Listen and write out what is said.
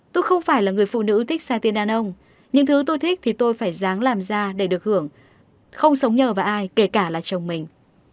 tôi thích sai tiền đàn ông những thứ tôi thích thì tôi phải dáng làm ra để được hưởng không sống nhờ vào ai kể cả là chồng mình